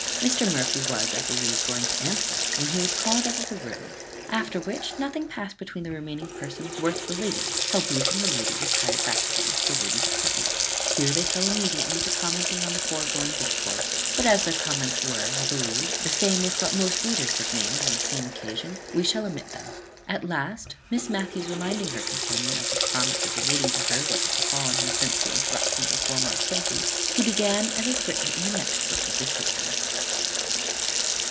Mr. Murphy was, I believe, going to answer when he was called out of the room; after which nothing passed between the remaining persons worth relating, till Booth and the lady retired back again into the lady's apartment. Here they fell immediately to commenting on the foregoing discourse; but, as their comments were, I believe, the same with what most readers have made on the same occasion, we shall omit them. At last, Miss Matthews reminding her companion of his promise of relating to her what had befallen him since the interruption of their former acquaintance, he began as is written in the next book of this history.